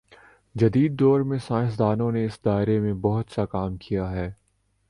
جدیددور میں سائنس دانوں نے اس دائرے میں بہت سا کام کیا ہے